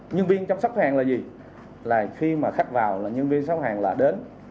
nhân viên chăm sóc hàng là gì là khi mà khách vào là nhân viên chăm sóc hàng là đến